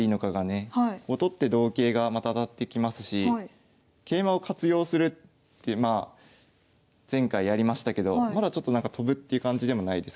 取って同桂がまた当たってきますし桂馬を活用するってまあ前回やりましたけどまだちょっとなんか跳ぶっていう感じでもないですからね。